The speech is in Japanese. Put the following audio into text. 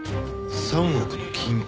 ３億の金塊？